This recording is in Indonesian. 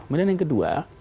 kemudian yang kedua